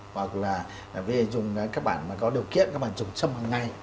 hoặc là dùng các bản mà có điều kiện các bản dùng châm hằng ngày